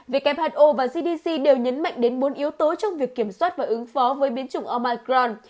who và gdp đều nhấn mạnh đến bốn yếu tố trong việc kiểm soát và ứng phó với biến chủng omicron